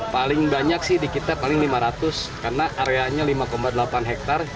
paling banyak sih di kita paling lima ratus karena areanya lima delapan hektare